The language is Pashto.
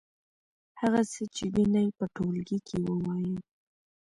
هغه څه چې وینئ په ټولګي کې ووایئ.